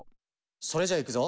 それじゃあいくぞ。